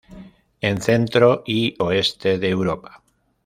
En centro y oeste de Europa.